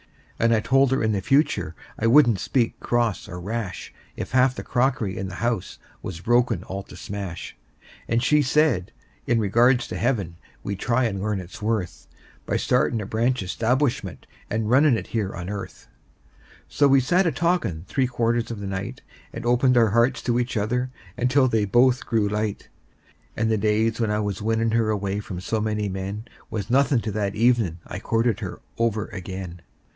And I told her in the future I wouldn't speak cross or rash If half the crockery in the house was broken all to smash; And she said, in regards to heaven, we'd try and learn its worth By startin' a branch establishment and runnin' it here on earth. And so we sat a talkin' three quarters of the night, And opened our hearts to each other until they both grew light; And the days when I was winnin' her away from so many men Was nothin' to that evenin' I courted her over again.